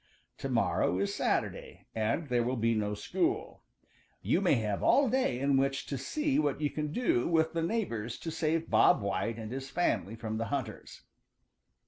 Tomorrow is Saturday, and there will be no school. You may have all day in which to see what you can do with the neighbors to save Bob White and his family from the hunters.